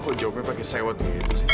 kok jawabnya pake sewet gitu sih